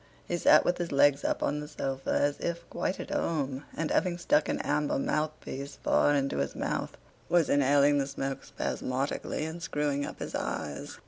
He sat with his legs up on the sofa as if quite at home and, having stuck an amber mouthpiece far into his mouth, was inhaling the smoke spasmodically and screwing up his eyes.